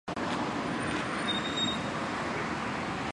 哈蒂格是一个位于美国阿肯色州犹尼昂县的城市。